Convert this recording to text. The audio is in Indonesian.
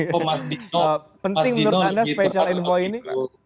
penting menurut anda special envoy ini